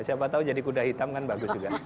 siapa tahu jadi kuda hitam kan bagus juga